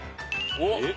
おっ。